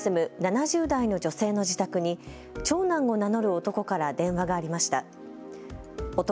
先月、埼玉県坂戸市に住む７０代の女性の自宅に長男を名乗る男から電話がありました。